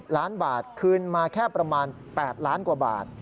ล้านบาทคืนมาแค่ประมาณ๘ล้านกว่าบาท